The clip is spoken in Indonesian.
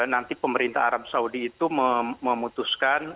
nanti pemerintah arab saudi itu memutuskan